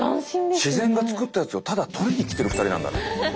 自然が作ったやつをただとりにきてる２人なんだね。